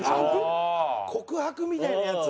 告白みたいなやつ？